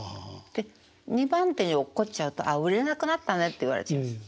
で２番手に落っこっちゃうとああ売れなくなったねって言われちゃうんですよ。